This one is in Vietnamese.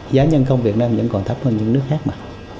giá nhân công việt nam vẫn còn thấp hơn những nước khác mà